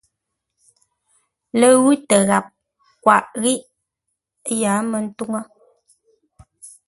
Ləwʉ̂ tə́ ghap kwaʼ ghíʼ ə́ yǎa mə́ ntúŋu.